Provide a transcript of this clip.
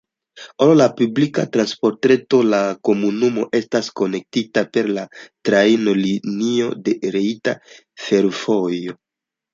Al la publika transportreto la komunumo estas konektita per la trajnlinio de Retia Fervojo.